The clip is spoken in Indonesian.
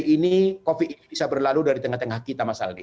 ini covid ini bisa berlalu dari tengah tengah kita mas aldi